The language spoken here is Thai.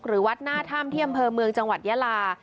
วัดหน้าถ้ำที่อำเภอเมืองจังหวัดยาลา